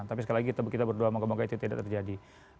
tapi sekali lagi kita berdoa moga moga itu tidak terjadi